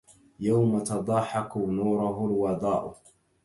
يوم تضاحك نوره الوضاء